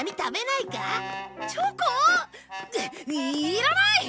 いいらない！